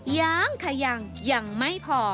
ยังค่ะยังยังไม่พอ